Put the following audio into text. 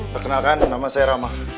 perkenalkan nama saya ramah